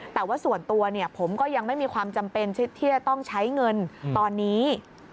แต่ว่าส่วนตัวผมก็ยังไม่มีความจำเป็นที่จะต้องใช้เงินตอนนี้